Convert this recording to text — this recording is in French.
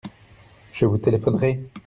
Je vous téléphonerai.